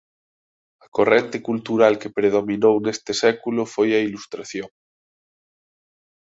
A corrente cultural que predominou neste século foi a Ilustración.